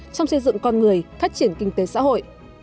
trong xây dựng con người phát triển kinh tế xã hội